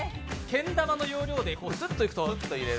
けん玉の要領でスッといくと。